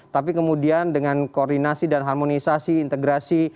tapi kemudian dengan koordinasi dan harmonisasi integrasi